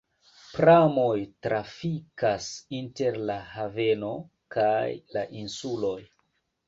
Pramoj trafikas inter la haveno kaj la insuloj.